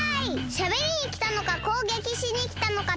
しゃべりにきたのかこうげきしにきたのかどっちだ！